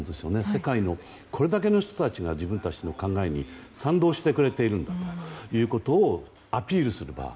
世界のこれだけの人たちが自分たちの考えに賛同してくれているんだということをアピールする場。